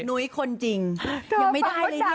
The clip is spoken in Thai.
นุ้ยคนจริงยังไม่ได้เลยนะ